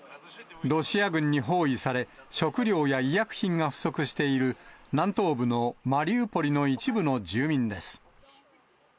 ロシア軍に包囲され、食料や医薬品が不足している南東部のマリウポリの一部の住民です。